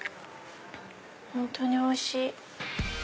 本当においしい！